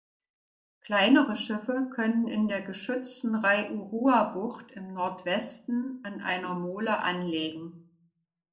Kleinere Schiffe können in der geschützten Raiurua-Bucht im Nordwesten an einer Mole anlegen.